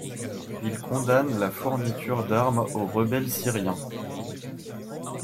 Il condamne la fourniture d'armes aux rebelles syriens.